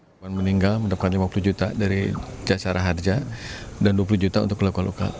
korban meninggal mendapatkan lima puluh juta dari jasara harja dan dua puluh juta untuk lokal lokal